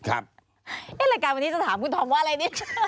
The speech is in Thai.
รายการวันนี้จะถามคุณธอมว่าอะไรเนี่ย